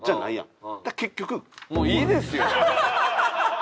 もういいですよ。